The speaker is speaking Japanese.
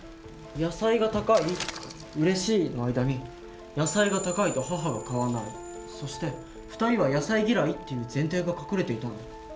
「野菜が高い」と「うれしい」の間に「野菜が高いと母は買わない」そして「２人は野菜嫌い」っていう前提が隠れていたんだ。